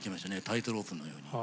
タイトロープのように。